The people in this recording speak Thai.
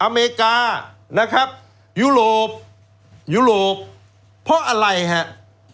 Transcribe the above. อเมริกานะครับยุโรปยุโรปเพราะอะไรครับ